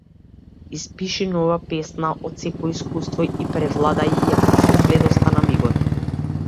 Испиши нова песна од секое искуство и превладај ја кусогледоста на мигов.